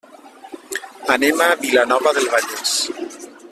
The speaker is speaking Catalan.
Anem a Vilanova del Vallès.